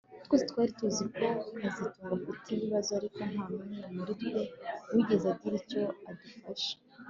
Twese twari tuzi ko kazitunga afite ibibazo ariko ntanumwe muri twe wigeze agira icyo adufasha